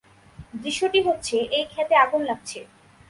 দৃশ্যটি হচ্ছে, এই ক্ষেতে আগুন লাগছে।